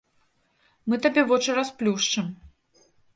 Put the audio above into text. Мы табе вочы расплюшчым!